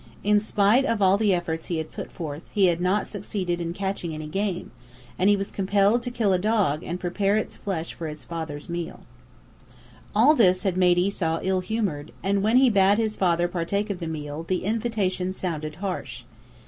In spite of all the efforts he had put forth, he had not succeeded in catching any game, and he was compelled to kill a dog and prepare its flesh for his father's meal. All this had made Esau ill humored, and when he bade his father partake of the meal, the invitation sounded harsh.